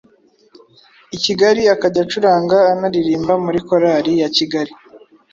i Kigali akajya acuranga anaririmba muri korali ya Kigali –